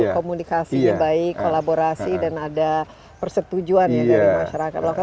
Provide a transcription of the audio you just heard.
komunikasinya baik kolaborasi dan ada persetujuan ya dari masyarakat lokal